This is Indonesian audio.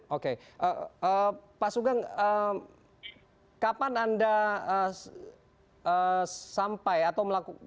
oke pak sugeng kapan anda sampai atau melakukan